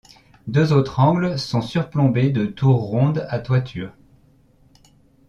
Deux autres angles sont surplombés de tours rondes à toiture.